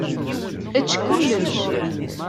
Ečč kullec.